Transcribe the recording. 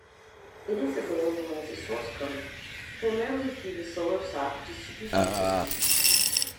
It is available as source code, primarily through the Solarsoft distribution system.